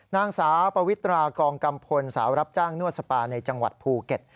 นางสาวปวิตรากองกำพลสาวรับจ้างนวดสปาในจังหวัดภูเก็ต